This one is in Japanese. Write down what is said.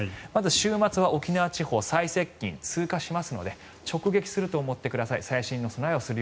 週末は沖縄地方最接近、通過しますので直撃すると思ってください。